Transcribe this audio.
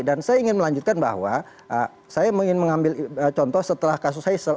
dan saya ingin melanjutkan bahwa saya ingin mengambil contoh setelah kasus heysel